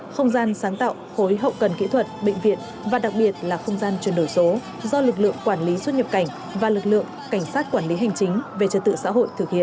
không gian sáng tạo khối hậu cần kỹ thuật bệnh viện và đặc biệt là không gian chuyển đổi số do lực lượng quản lý xuất nhập cảnh và lực lượng cảnh sát quản lý hành chính về trật tự xã hội thực hiện